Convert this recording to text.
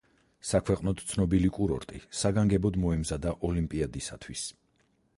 საქვეყნოდ ცნობილი კურორტი საგანგებოდ მოემზადა ოლიმპიადისათვის.